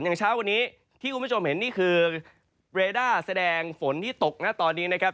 เช้าวันนี้ที่คุณผู้ชมเห็นนี่คือเรด้าแสดงฝนที่ตกนะตอนนี้นะครับ